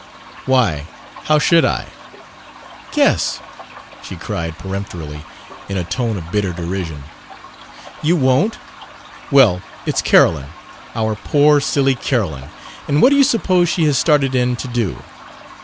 "Why, how should I ?" "Guess!" she cried peremptorily, in a tone of bitter derision. "You won't? Well, it's Carolyn our poor, silly Carolyn! And what do you suppose she has started in to do?